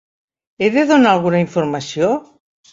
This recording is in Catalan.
He de donar alguna informació?